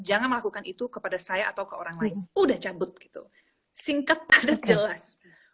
jangan melakukan itu kepada saya atau ke orang lain udah cabut gitu singkat padat jelas